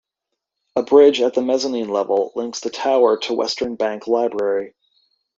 A bridge at the mezzanine level links the tower to Western Bank Library.